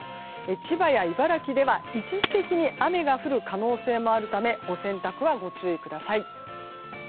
千葉や茨城では一時的に雨が降る可能性もあるためお洗濯はご注意ください。